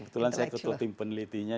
ya kebetulan saya ketutupin penelitinya